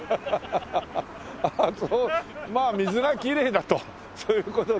まあ水がきれいだとそういう事でね。